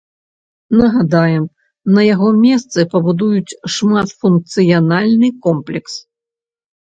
Нагадаем, на яго месцы пабудуюць шматфункцыянальны комплекс.